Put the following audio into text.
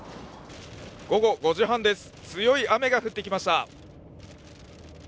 午後５時半です、強い雨が降ってきました。